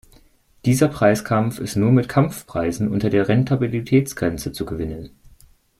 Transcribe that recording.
Dieser Preiskampf ist nur mit Kampfpreisen unter der Rentabilitätsgrenze zu gewinnen.